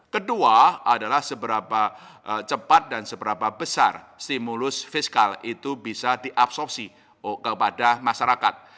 kedua adalah seberapa cepat dan seberapa besar stimulus fiskal itu bisa diabsorpsi kepada masyarakat